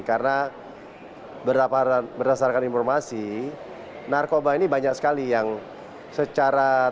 karena berdasarkan informasi narkoba ini banyak sekali yang secara teknologi